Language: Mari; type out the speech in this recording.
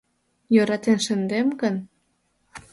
Йӧратен шындем гын.